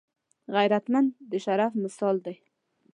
غیرتمند د شرف مثال دی